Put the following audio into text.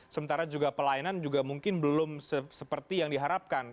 sementara juga pelayanan juga mungkin belum seperti yang diharapkan